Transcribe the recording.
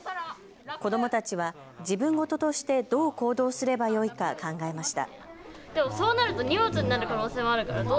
子どもたちは自分事としてどう行動すればよいか考えました。